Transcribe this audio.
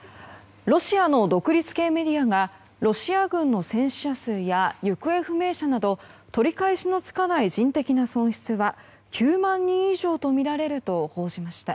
ロシアの独立系メディアがロシア軍の戦死者数や行方不明者など取り返しのつかない人的な損失は９万以上とみられると報じました。